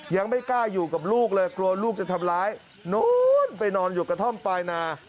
ยังไม่กล้าอยู่กับลูกเลยกลัวลูกจะทำร้ายนู้นไปนอนอยู่กระท่อมปลายนา